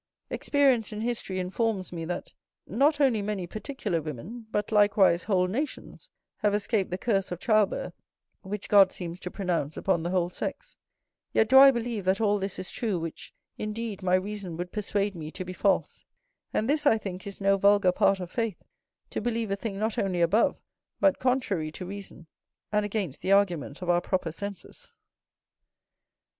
Experience and history informs me that, not only many particular women, but likewise whole nations, have escaped the curse of childbirth, which God seems to pronounce upon the whole sex; yet do I believe that all this is true, which, indeed, my reason would persuade me to be false: and this, I think, is no vulgar part of faith, to believe a thing not only above, but contrary to, reason, and against the arguments of our proper senses.